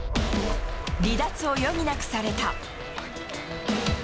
離脱を余儀なくされた。